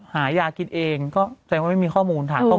หายากินเองก็แสดงว่าไม่มีข้อมูลฐานข้อมูล